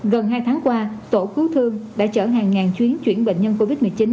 gần hai tháng qua tổ cứu thương đã chở hàng ngàn chuyến chuyển bệnh nhân covid một mươi chín